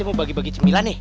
itu mau bagi bagi cemilan nih